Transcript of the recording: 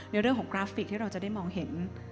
ในเรื่องของกราฟิกที่เราจะได้มองเห็น